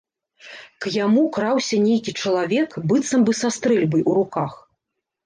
К яму краўся нейкі чалавек быццам бы са стрэльбай у руках.